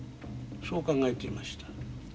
そう考えていました。